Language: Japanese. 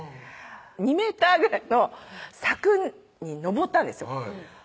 ２ｍぐらいの柵に登ったんですよ